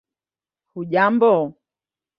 hujambo